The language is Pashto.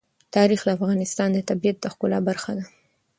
تاریخ د افغانستان د طبیعت د ښکلا برخه ده.